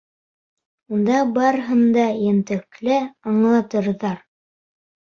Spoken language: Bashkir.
Унда барыһын да ентекле аңлатырҙар.